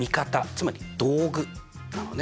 つまり道具なのね。